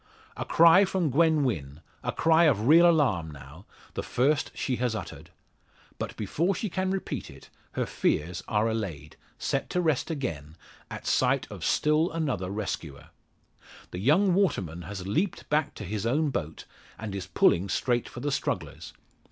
A cry from Gwen Wynn a cry of real alarm, now the first she has uttered! But before she can repeat it, her fears are allayed set to rest again at sight of still another rescuer. The young waterman has leaped back to his own boat, and is pulling straight for the strugglers.